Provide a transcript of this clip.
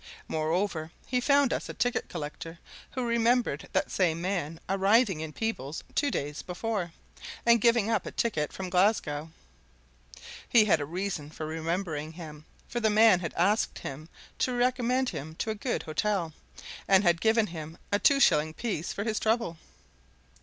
Moreover, he found us a ticket collector who remembered that same man arriving in Peebles two days before, and giving up a ticket from Glasgow. He had a reason for remembering him, for the man had asked him to recommend him to a good hotel, and had given him a two shilling piece for his trouble.